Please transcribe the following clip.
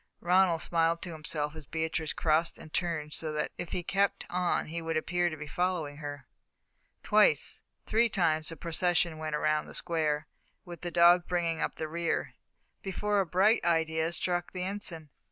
Ronald smiled to himself as Beatrice crossed and turned so that if he kept on he would appear to be following her. Twice, three times the procession went round the square, with the dog bringing up the rear, before a bright idea struck the Ensign.